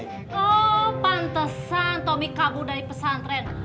oh pantesan tommy kabur dari pesantren